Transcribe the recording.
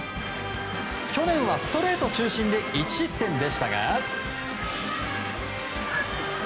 去年はストレート中心で１失点でしたが。